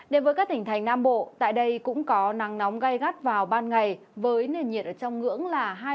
đến với các tỉnh thành nam bộ tại đây cũng có nắng nóng gai gắt vào ban ngày với nền nhiệt ở trong ngưỡng là hai mươi